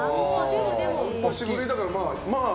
久しぶりだから、まあ。